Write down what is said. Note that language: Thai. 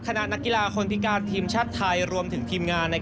นักกีฬาคนพิการทีมชาติไทยรวมถึงทีมงาน